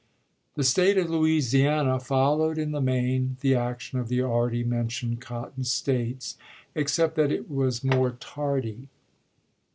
The State of Louisiana followed in the main the action of the already mentioned Cotton States, except that it was more tardy.